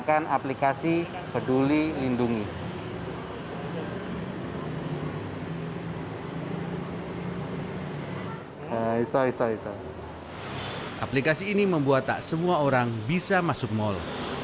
aplikasi ini membuat tak semua orang bisa masuk mal